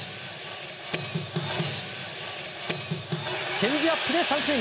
チェンジアップで三振。